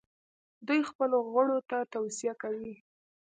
دوی خپلو غړو ته توصیه کوي.